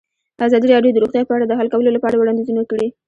ازادي راډیو د روغتیا په اړه د حل کولو لپاره وړاندیزونه کړي.